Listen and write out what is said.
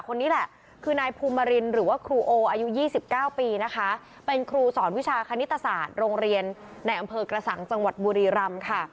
คนนี้แหละคือนายภูมิมารินหรือว่าครูโออายุ๒๙ปีนะคะเป็นครูสอนวิชาคณิตศาสตร์โรงเรียนในอำเภอกระสังจังหวัดบุรีรำค่ะ